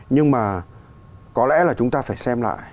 nhưng mà có lẽ là chúng ta phải xem lại